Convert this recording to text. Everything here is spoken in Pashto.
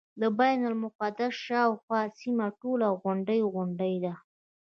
د بیت المقدس شاوخوا سیمه ټوله غونډۍ غونډۍ ده.